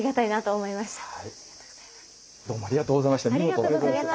どうもありがとうございました見事。